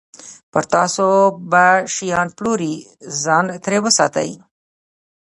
پر تاسو به شیان پلوري، ځان ترې وساتئ.